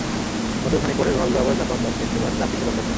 বছর খানেক পরে রোনালদো আবার জাপান যাচ্ছেন, এবার ক্লাব বিশ্বকাপ খেলতে।